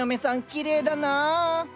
きれいだなあ